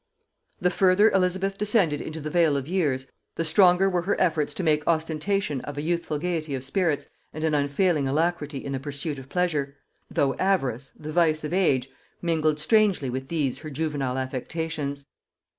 The further Elizabeth descended into the vale of years, the stronger were her efforts to make ostentation of a youthful gaiety of spirits and an unfailing alacrity in the pursuit of pleasure; though avarice, the vice of age, mingled strangely with these her juvenile affectations.